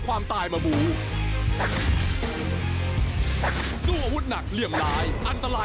ว่ายืนยง